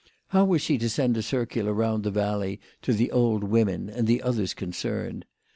How was she to send a circular round the valley to the old women and the others concerned